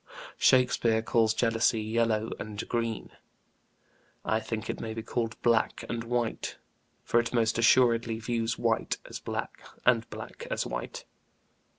Shakspeare calls jealousy yellow and green; I think it may be called black and white for it most assuredly views white as black, and black as white.